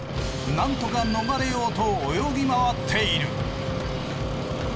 なんとか逃れようと泳ぎ回っている。